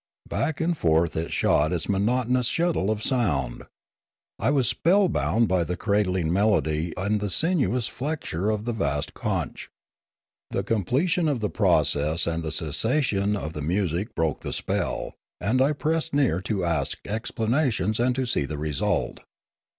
Back and forth it shot its monotonous shuttle of sound. I was spell bound by the cradling melody and the sinuous flexure of the vast conch. The completion of the process and 1 66 Limanora the cessation of the music broke the spell, and I pressed near to ask explanations and to see the result.